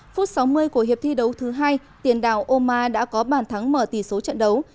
phút sáu mươi của hiệp thi đấu thứ hai tiền đảo oma đã có bàn thắng mở tỷ số trận đấu